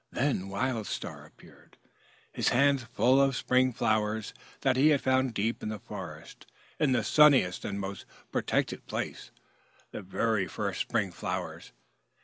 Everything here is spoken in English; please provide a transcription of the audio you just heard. Then Wild Star appeared, his hands full of spring flowers that he had found deep in the forest in the sunniest and most protected place, the very first spring flowers.